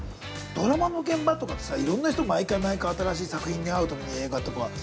ドラマの現場とかっていろんな人毎回毎回、新しい作品に会うと思うんだけど、映画とか。